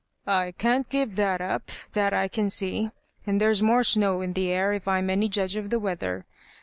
" I can't give Ihal up, that I can see. And there's more snow in the air if I'm any judge of the weather.